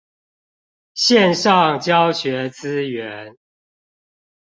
線上教學資源